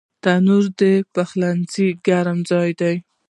تنور د پخلنځي ګرم ځای دی